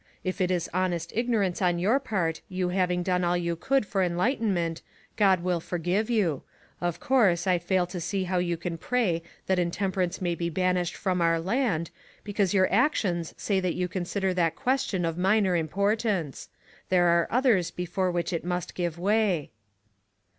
If it is honest ignorance on your part, you having done all you could for enlightenment, God will forgive you. Of course, I fail to see PARALLELS. 3 1 5 how you can pray that intemperance may be banished from our land, because your actions say that you consider that question of minor importance ; there are others be fore which it must give way."